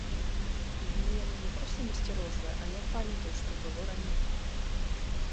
Мяне яна не проста насцярожвае, а я памятаю, што было раней.